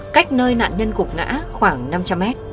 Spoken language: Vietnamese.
cách nơi nạn nhân gục ngã khoảng năm trăm linh mét